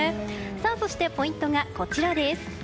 そしてポイントがこちらです。